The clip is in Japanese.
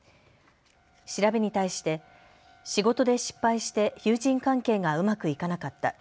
調べに対して仕事で失敗して友人関係がうまくいかなかった。